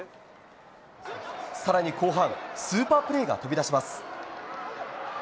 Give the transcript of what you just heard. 更に後半スーパープレーが飛び出します。